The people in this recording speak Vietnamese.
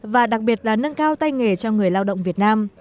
và đặc biệt là nâng cao tay nghề cho người lao động việt nam